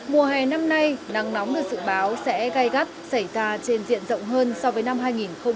mùa hè năm nay nắng nóng được dự báo sẽ gai gắt xảy ra trên diện rộng hơn so với năm hai nghìn một mươi tám